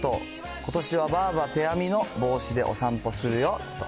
ことしはばあば手編みの帽子でお散歩するよと。